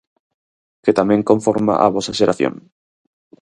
Que tamén conforma a vosa xeración.